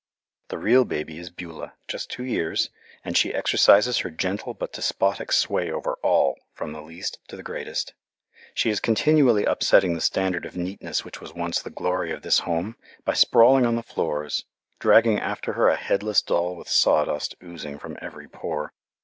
The real baby is Beulah, just two years, and she exercises her gentle but despotic sway over all, from the least to the greatest. She is continually upsetting the standard of neatness which was once the glory of this Home, by sprawling on the floors, dragging after her a headless doll with sawdust oozing from every pore.